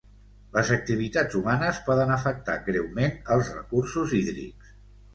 Les activitats humanes poden afectar greument els recursos hídrics.